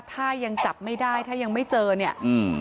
ถ้ายังจับไม่ได้ถ้ายังไม่เจอเนี่ยอืม